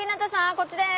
こっちです。